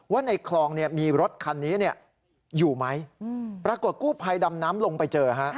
ว่าในคลองมีรถคันนี้อยู่ไหมปรากฏกู้ภัยดำน้ำลงไปเจอฮะ